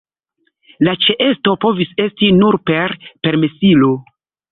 La ĉeesto povis esti nur per permesilo.